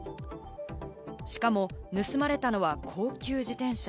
しかも盗まれたのは高級自転車。